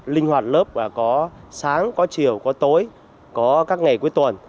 linh hoạt lớp có sáng có chiều có tối có các ngày cuối tuần